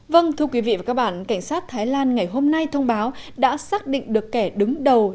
vâng thưa quý vị và các bạn cảnh sát thái lan ngày hôm nay thông báo đã xác định được kẻ đứng đầu